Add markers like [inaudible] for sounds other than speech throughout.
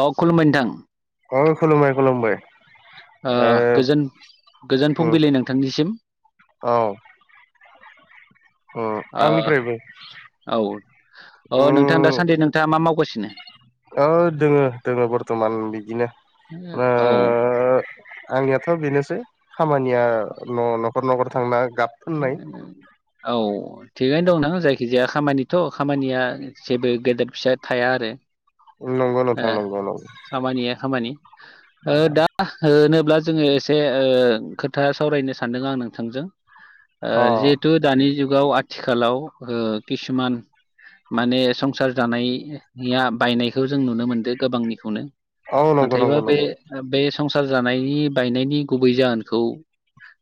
औ खुलुमबाय नोंथां। औ खुलुमबाय खुलुमबाय। गोजोन गोजोन ओ फुंबिलि नोंथांनिसिम। औ आंनिफ्रायबो ओ औ नोंथां दा सान्दि नों दा मा मावगासिनो? औ दोङो दोङो बर्थमान बिदिनो। औ आंनियाथ' बेनोसै खामानिया न' न'खर न'खर थांना गाब फोननाय [unintelligible] औ थिगैनो दंना जायखिजाया खामानिथ' खामानिया जेबो गेदेर फिसा थाया आरो। नंगौ नोंथां नंगौ नंगौ खामानिया खामानि ओ दा होनोब्ला जोङो एसे खोथा सावरायनो सानदों आं नोंथांजों अ जिहेथु दानि जुगाव आथिखालाव किसुमान माने संसार जानाय या बायनायखौ जों नुनो मोनदों गोबांनिखौनो। औ नंगौ नाथायबा नंगौ बे नंगौ बे संसार जानायनि बायनायनि गुबै जाहोनखौ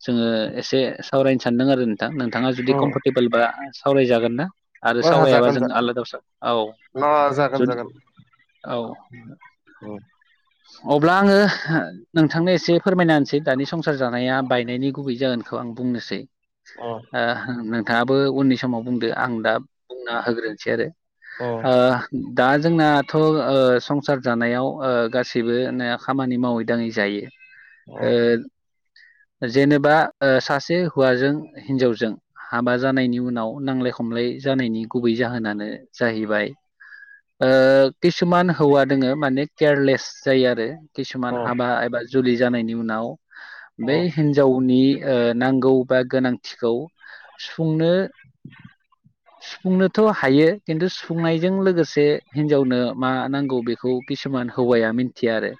जोङो एसे सावरायनो सानदों आरो नोंथां नोंथाङा जुदि कम्फरटेबोल बा सावरायजागोन ना? आरो सावरायाबा जागोन जों जा आलादा औ जागोन जुदि औ औ अब्ला आङो नोंथांनो एसे फोरमायना होनसै दानि संसार जानाया बायनायनि गुबै जागोनखौ आं बुंनोसै। अ नोंथाङाबो उननि समाव बुंदो आं दा बुंना होग्रोनोसै आरो। अ ओ दा जोंनाथ' संसार जानायाव गासैबो नाया खामानि मावै दाङै जायो। जेनेबा सासे हौवाजों हिनजावजों हाबा जानायनि उनाव नांलाय खमलाय जानायनि गुबै जाहोनानो जाहैबाय किसुमान हौवा दोङो माने केयारलेस जायो आरो अ किसुमान हाबा एबा जुलि जानायनि उनाव बे हिनजावनि नांगौ बा गोनांथिखौ सुफुंनो सुफुंनोथ' हायो खिन्थु सुफुंनायजों लोगोसे हिनजावनो मा नांगौ बेखौ बेखौ किसुमान हौवाया मिथिया आरो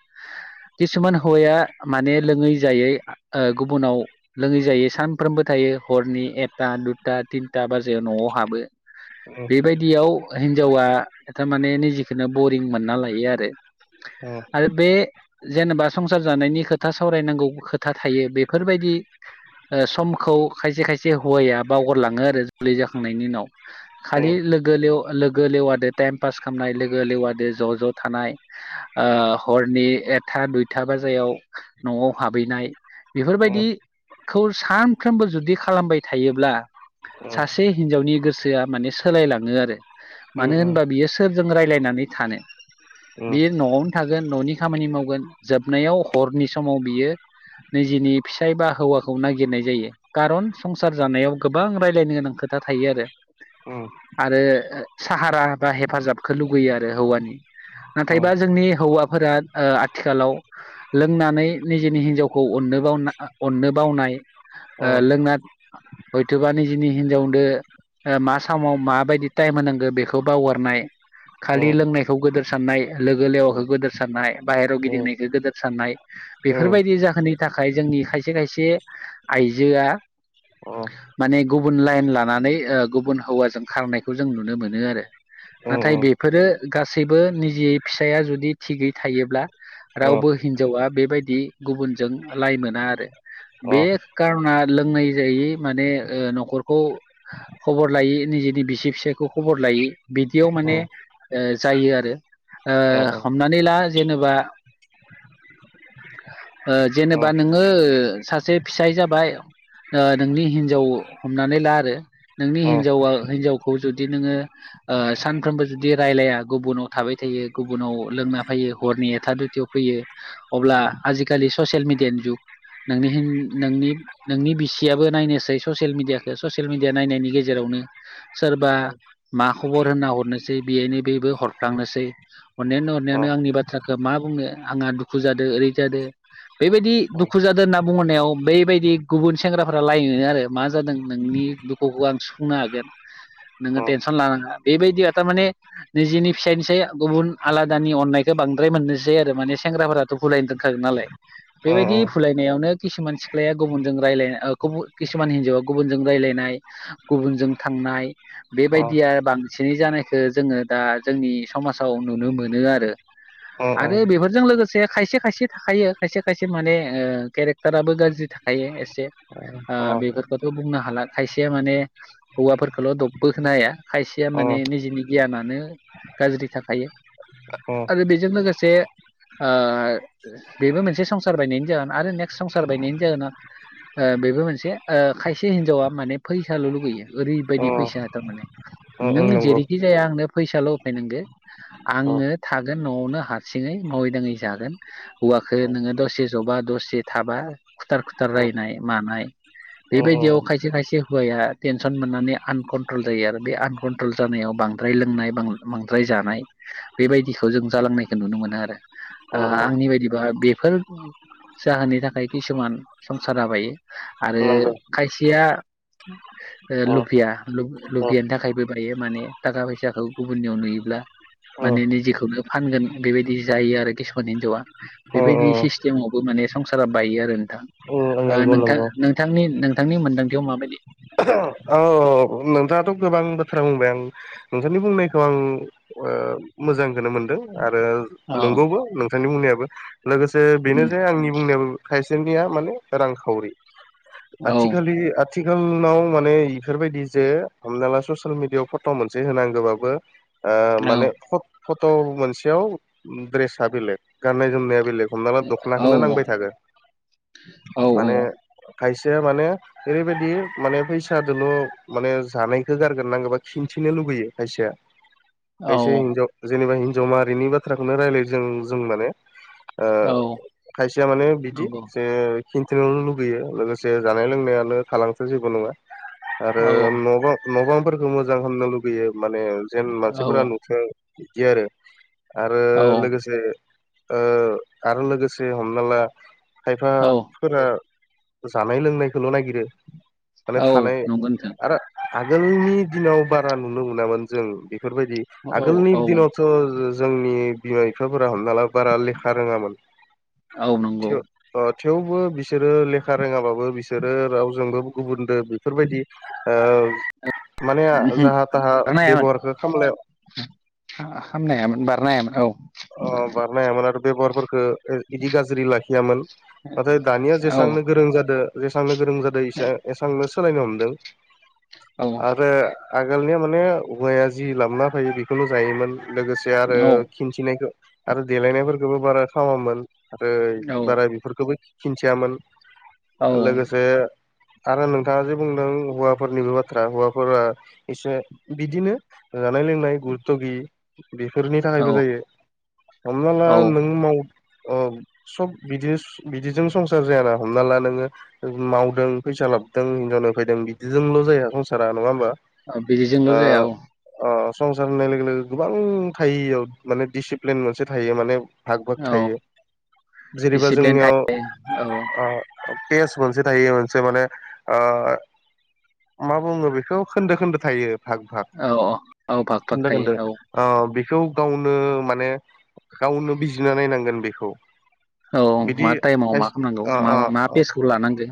किसुमान हौवाया माने लोङै जायै गुबुनाव लोङै जायै सान सामफ्रोमबो थायो हरनि एकथा दुथा थिनथा बाजियाव न'आव हाबो बेबायदियाव हिनजावा थारमाने निजेखौनो बरिं मोनना लायो आरो अ आरो बे जेनेबा संसार जानायनि खोथा सावरायनांगौ खोथा खोथा थायो बेफोरबायदि खौ खायसे खायसे हौवाया बावगारलाङो आरो जुलि जाखांनायनि उनाव खालि लोगो लेवा लोगो लेवादो टाइम पास खालामनाय लोगो लेवादो ज' ज' थानाय हरनि एथा दुइथा बाजायाव न'आव हाबहैनाय बेफोरबायदिखौ सान सानफ्रोमबो जुदि खालामबाय थायोब्ला सासे हिनजावनि गोसोआ माने सोलायलाङो आरो मानो होनबा बियो सोरजों रायज्लायनानै थानो बि न'आवनो थागोन न'नि खामानि मावगोन जोबनायाव हरनि समाव बियो निजिनि फिसाय बा हौवाखौ नागिरनाय जायो खारन संसार जानायाव गोबां राय्लायनो गोनां खोथा थायो आरो औ आरो साहारा बा हेफाजाबखौ लुगैयो आरो हौवानि नाथायबा जोंनि हौवाफोरा आथिखालाव लोंनानै निजेनि हिनजावखौ अननो बावनाय अ लोंना हयथ'बा निजिनि हिनजावदो मा समाव माबायदि टाइम होनांगौ बेखौ बावगारनाय खालि लोंनायखौ गोदोर साननाय लोगो अ लेवाखौ गोदोर साननाय बाहेरायाव गिदिंनायखौ गोदोर साननाय बेफोरबायदि जाहोननि थाखाय जोंनि खायसे खायसे आइजोआ माने गुबुन लाइन लानानै गुबुन हौवाजों खारनायखौ जों नुनो मोनो आरो नाथाय बेफोरो गासैबो निजिय फिसाया जुदि थिगै थायोब्ला रावबो हिनजावा बेबायदि गुबुनजों लाइ मोना आरो बे खार'ना लोंनाय जायै माने न'खरखौ खबर लायो निजेनि बिसि फिसायखौ खबर लायो बिदियाव माने जायो आरो हमनानै ला जेनेबा [inaudible] ओ जेनेबा नोङो सासे फिसाय जाबाय ओ नोंनि हिनजाव हमनानै ला आरो नोंनि हिन्जावा हिनजावखौ जुदि नोङो ओ सानफ्रोमबो जुदि रायलाया गुबुनाव थाबाय थायो गुबुनाव लोंना फैयो हरनि एथा दुथा फैयो अब्ला आजिखालि ससियेल मिडियानि जुग नोंनि हिन नोंनि नोंनि बिसियाबो नायनोसै ससियेल मिडियाखौ ससियेल मिडिया नायनायनि गेजेरावनो सोरबा मा खबर होनना हरनोसै बेयनो बेबो हरफ्लांनोसै हरनायानो हरनायावनो आंनि बाथ्राखौ मा बुंनो आंहा दुखु जादों ओरै जादो बेबायदि दुखु जादों होनना बुंहरनायाव बैबायदि गुबुन सेंग्राफोरा लामोनो आरो मा जादों नोंनि दुखुखौ आं सुफुंनो हागोन नोङो टेनसन लानाङा बेबायदियाथ' माने निजेनि फिसायनिसाय गुबुन आलादानि अननायखौ बांद्राय मोननोसै आरो माने सेंग्राफोरा फुलायनो दोनखागोन नालाय बेबायदि फुलायनायावनो किसुमान सिख्लाया गुबुनजों राय्लायनाय गुबु किसुमान हिन्जावा गुबुनजों रायज्लायनाय गुबुनजों थांनाय बेबायदिया बांसिनै जानायखौ जोङो दा जोंनि समाजाव नुनो मोनो आरो। आरो नंगौ बेफोरजों लोगोसे खायसे खायसे थाखायो खायसे खायसे माने ओ केरेक्टाराबो गाज्रि थाखायो एसे ओ बेफोरखौथ' बुंनो हाला खायसेया माने हौवाफोरखौल' दखबो होनो हाया खायसेया माने निजिनि गियानानो गाज्रि थाखायो आरो बेजों लोगोसे ओ बेबो मोनसे संसार बायनायनि जाहोन आरो नेकस्ट संसार बायनायनि जाहोना ओ बेबो मोनसे ओ खायसे हिनजावा माने फैसाल' लुगैयो ओरैबायदि फैसा थारमाने नों जेरैखि जाया आंनो फैसाल' होफैनांगो। आंङो थागोन न'आवनो हारसिङै मावै दाङै जागोन। हौवाखौ नोङो दसे जबा दसे थाबा खुथार खुथार रायनाय मानाय बेबायदियाव खायसे खायसे हौवाया टेनसन मोननानै आनकन्ट्रल जायो आरो बे आन कन्ट्रल जानायाव बांद्राय लोंनाय बांद्राय जानाय बेबायदिखौ जों जालांनायखौ नुनो मोनो आरो ओ आंनि बायदिबा बेफोर जाहोननि थाखाय किसुमान संसार बायो आरो खायसेया [inaudible] ओ लुफिया लुब लुफियानि थाखायबो बायो माने थाखा फैसाखौ गुबुननियाव नुयोब्ला माने निजिखौनो फानगोन बेबायदि जायो आरो किसुमाननि हिनजावा। बेबायदि सिस्टेमावबो माने संसारा बायो आरो नोंथां ओ नोंथां नंगौ नोंथांनि नोंथांनि मोनदांथियाव माबायदि [unintelligible] औ औ औ। नोंथाङाथ' गोबां बोथ्रा बुंबाय आं नोंथांनि बुंनायखौ आं ओ मोजांखौनो मोन आरो औ नंगौबो नोंथांनि बुंनायाबो लोगोसे बेनो उम जे आंनि बुंनायाबो खायसेनिया माने रांखावरि औ आथिखालि आ [unintelligible] उनाव माने इफोरबायदि जे हमना ला ससेयेल मिडियाव फट' मोनसे होनांगौबाबो ओ औ माने फट' मोनसेयाव ड्रेसा बेलेग गाननाय जोमनाया बेलेग हमना औ दख'नाखोनो नांबाय थागोन औ माने खायसेया माने ओरैबायदि माने फैसा दोल' माने जानायखौ गारगोन नांगौबा खिन्थिनो लुबैयो खायसेया औ खायसे हिनजाव जेनेबा हिनजाव माहारिनि बाथ्राखौनो रायलाय जों जों माने ओ औ खायसेया माने बिदि नंगौ जे खिन्थिनो लुुबैयो लोगोसे जानाय लोंनायानो थालांथो जेबो नङा। ओ औ न'बा न'बांफोरखौ मोजां खालामनो लुगैयो माने जेन औ मानसिफोरा नुथों। बिदि आरो आरो औ लोगोसे ओ आरो लोगोसे हमना ला खायफा औ फोरा जानाय लोंनायखौल नागिरो माने औ थानाय नंगौ नोंथां आरो आगोलनि दिनाव बारा नुनो मोनामोन जों बेफोरबायदि औ आगोलनि औ दिनाव थ जोंनि बिमा बिफाफोरा हमना ला बारा लेखा रोङामोन औ नंगौ थेव अ थेवबो बिसोरो लेखा रोङाबाबो बिसोरो रावजोंबो गुबुनदो बेफोरबायदि ओ माने उमहो जाहा थाहा बेबहारखौ खामलाया खा-खामनो हायामोन बारनो हाया मोन औ। औ बारनो हायामोन आरो बेबहारफोरखो इदि गाज्रि लाखियामोन नाथाय दानिया औ जेसांनो गोरों जादो जेसेबांनो गोरों जादों इसा एसांनो सोलायनो हमदों। औ आरो आगोलनिया माने हौवाया जि लामा फैयो बेखौनो जायोमोन लोगोसे से आरो खिन्थिनायखौ आरो देलायनायफोरखौबो बारा खालामामोन। आरो औ बारा बेफोरखौबो खिन्थियामोन लोगोसे आरो नोंथाङा जे बुंदों हौवाफोरनिबो बाथ्रा हौवाफोरा एसे बिदिनो जानाय लोंनाय गुरुत' गि बेफोरनि औ थाखायबो जायो हमना ला नों माव सब बिदि बिदिजों संसार जायाना हमना ला नोङो मावदों फैसा लाबोदों हिनजावनो फैदों बिदिजोंल' जाया संसारा नङा होमबा औ बिदिजोंल जाया औ अ संसार होननाय लोगो लोगो गोबां थाइयाव माने डिसिप्लिन मोनसे थायो माने भाग भत औ थायो जेनैबा दिसिप्लिन थायो जोंनियाव औ पेस मोनसे थायो मोनसे माने मा बुङो बेखौ खोन्दो खोन्दो थायो भाग भाग औ औ फाग फाग खोन्दो खोन्दो थायो औ अ बेखौ गावनो माने गावनो बिजिनो नायनांगोन बेखौ औ बिदि मा टाइमाव मा खालामनांगौ मा मा पेसखौ लानांगो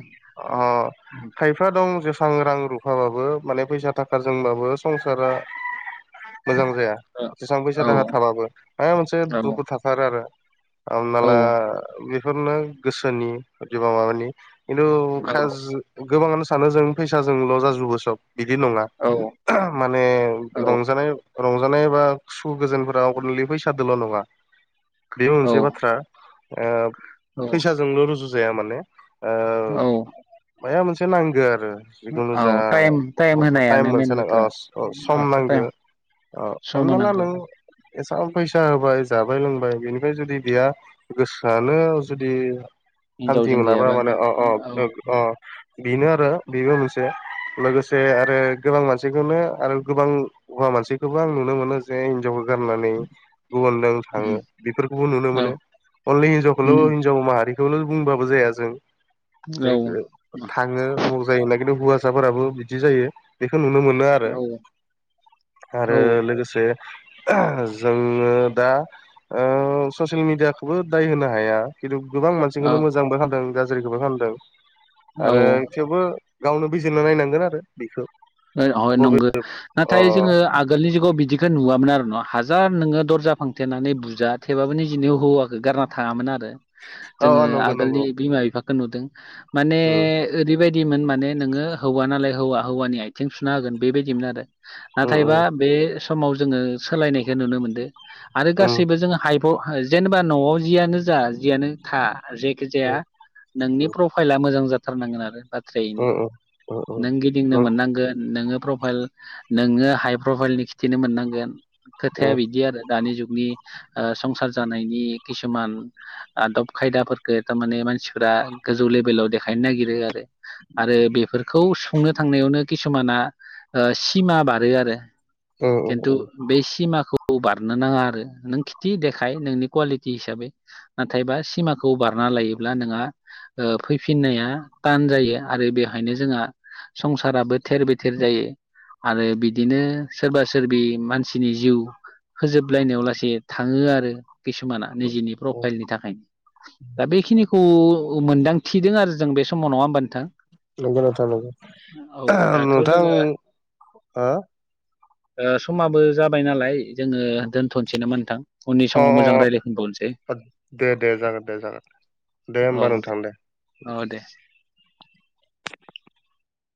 दं सांग्रां रुफाबाबो माने फैसा थाखाजोंबाबो संसारा मोजां जाया औ बेसेबां फैसा औ थाखा थाबाबो ह मोनसे औ दुखु थाथारो आरो हमना औ ला बेफोरनो गोसोनि जबा माबानि खिन्थु औ ख गोबाङानो सानो जों फैसाजोंल' जाजोबो सब बिदि नङा औ माने रंजानाय रंजानाय बा गुसु गोजोनफोरााव गरलि फैसाादोल' नङा बे मोनसे बाथ्रा औ फैसाजोंल' रुजु जाया माने औ मा मोनसे नांगौ आरो जिखुनु औ जा टाइम टाइम होनायानो मोनसे मेन बाथ्रा ओ सम नांगौ टाइम ओ सम हमना ला होनांगौ नों एसेबां फैसा होबाय जाबाय लोंबाय बेनिफ्राय जुदि गैया गोसोआनो जुदि हान्थि हिनजावजों मोनाबा गैयाबा माने बा अ अ औ अ बेनो आरो बेबो मोनसे लोगोसे आरो गोबां मानसिखौनो आरो गोबां हौवा मानसिखौबो आं नुनो मोनो जे हिनजाव गारनानै गुबुनजों थाङो बेफोरखौबो नुनो औ मोनो अललि हिनजखौल हिनजाव माहारि बेखौल बुंबाबो जाया जों औ जे थाङो अबाव जायो न खिन् हौवासाफोराबो बिदि जायो बेखौ नुनो मोनो आरो औ आरो लोगोसे जोङो दा ससियेल मिेडियाखौबो दाय होनो हाया खिन्थु गोबां मानसिखौनो मोजांबो खालामदों गाज्रिखौबो खालामदों औ आरो औ थेवबो गावनो बिजिरनो नायनांगोन आरो बेखौ बबे नंगौ अ नाथाय जोङो आगोलनि जुगाव बिदि बेखौ नुवामोन आर न' हाजार नोङो दरजा फांथेनानै बुजा थेबाबो नि जननि हौवाखौ गारना थाङामोन आरो अ जोङो अ नंगौ नंगौ आगोलनि बिमा बिफाखौ नुदों माने उम ओरैबायदिमोन माने नोङो हौवा नालाय हौवा हौवानि आथिं सुना होगोन बेबायदिमोन आरो उम नाथायबा बे समाव जोङो सोलायनायखौ नुनो मोनदों आरो उम गासैबो जोङो हाइ जेनेबा न'आव जियानो जा जियानो था जेखि जाया उम नोंनि प्र उफायला मोजां जाथारनांगोन आरो उम बाथ्रायैनो उम उम नों गिदिंनो मोननांगोन नोङो प्रफाइल नोङो हाइ प्रफाइलनि खिथिनो मोननांगोन खोथाया बिदि आरो दानि जुगनि संसार जानायनि किसुमान आदब खायदाफोरखौ थारमाने मानसिफ्रा गोजौ लेभेलाव देखायनो नागिरो आरो आरो बेफोरखौ सुंनो थांनायावनो किसुमाना सिमा बारो आरो उम खिन्थु उम बे सिमाखौ बारनो नाङा आरो नों खिथि देखाय नोंनि कुवालिटि हिसाबै नाथायबा सिमाखौ बारना लायोब्ला नोंहा फैफिननाया ान जायो आरो बेहायनो जोंहा संसाराबो थेर बेथेर जायो आरो बिदिनो सोरबा सोरबि मानसिनि जिउ फोजोबलायनायाव लासै थाङो आरो किसुमाना उम निजेनि उम प्रफाइलनि थाखायनो दा बेखिनिखौ मोनदांथिदों आरो जों बे समाव नङा होमबा नोंथां नंगौ नोंथां नंगौ औ आ दाथ' जोङो ओ समाबो जाबाय नालाय जोङो दोनथ'नोसै नामा नों उननि हो समाव मोजां अ रायलाय फिबावनोसै अ दे दे जागोन दे जागोन औ दे ओ दे